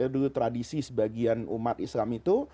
dulu tradisi sebagian umat islam itu